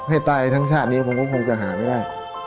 ให้ตายทั้งชาตินี้ผมก็คงจะหาไม่ได้